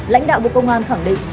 lãnh đạo bộ công an khẳng định